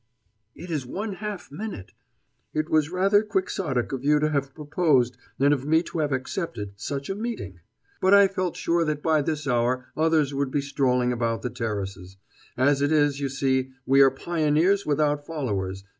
"It is one half minute!... It was rather quixotic of you to have proposed, and of me to have accepted, such a meeting. But I felt sure that by this hour others would be strolling about the terraces. As it is, you see, we are pioneers without followers.